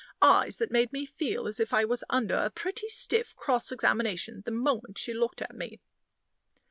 Eyes that made me feel as if I was under a pretty stiff cross examination the moment she looked at me.